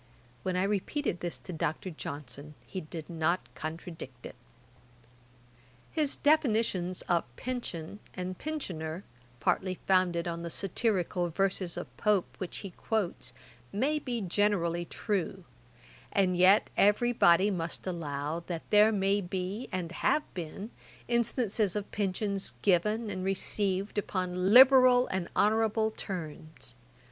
When I repeated this to Dr. Johnson, he did not contradict it. His definitions of pension and pensioner, partly founded on the satirical verses of Pope, which he quotes, may be generally true; and yet every body must allow, that there may be, and have been, instances of pensions given and received upon liberal and honourable terms.